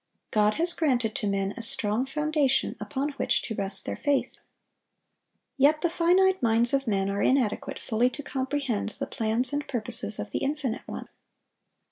God has granted to men a strong foundation upon which to rest their faith. Yet the finite minds of men are inadequate fully to comprehend the plans and purposes of the Infinite One.